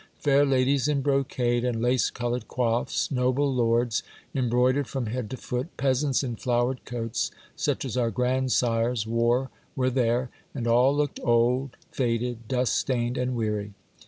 Fair ladies in bro cade, and lace covered coifs, noble lords, embroi dered from head to foot, peasants in flowered coats such as our grandsires wore were there, and all looked old, faded, dust stained, and weary.